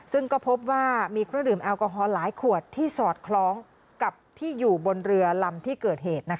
ซึ่งก็พบว่ามีเครื่องดื่มแอลกอฮอลหลายขวดที่สอดคล้องกับที่อยู่บนเรือลำที่เกิดเหตุ